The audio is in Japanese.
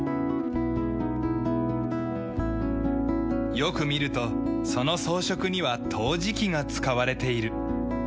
よく見るとその装飾には陶磁器が使われている。